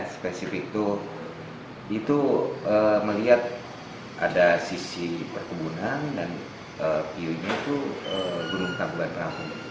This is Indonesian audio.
spesifik itu melihat ada sisi perkebunan dan view nya itu gunung tangkuban perahu